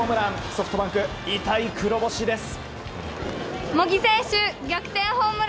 ソフトバンク、痛い黒星です。